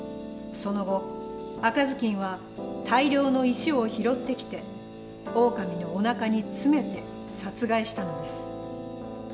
その後赤ずきんは大量の石を拾ってきてオオカミのおなかに詰めて殺害したのです。